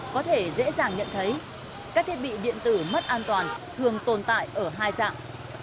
có thể dễ dàng nhận thấy các thiết bị điện tử mất an toàn thường tồn tại ở hai dạng